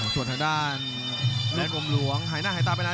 ส่วนทางด้านลูกกลมหลวงหายหน้าหายตาไปนาน